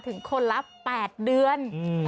ถึงคนละ๘เดือน